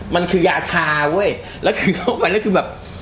มันคือยาชาเว้ยแล้วคือเข้าไปแล้วคือแบบ